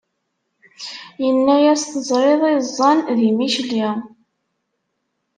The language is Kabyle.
Yenna-yas teẓriḍ iẓẓan di Micli!